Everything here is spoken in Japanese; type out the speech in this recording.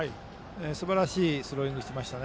すばらしいスローイングをしました。